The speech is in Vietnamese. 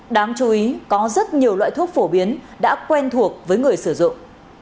đáng chú ý có rất nhiều loại thuốc phổ biến đã quen thuộc với người sử dụng